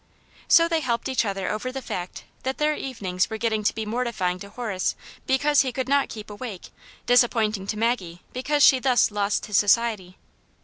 So they helped each other over the fact that their evenings were getting to be mortifying to Horace because he could not keep awake, disappointing to Maggie because she thus lost his society.